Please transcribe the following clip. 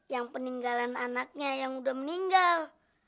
yang peninggalan anaknya yang udah meninggal